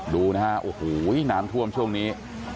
ดูนะฮะโอ้โหน้ำท่วมช่วงนี้